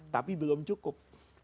tapi belum cukup